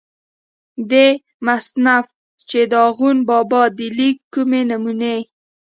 دې مصنف چې دَاخون بابا دَليک کومې نمونې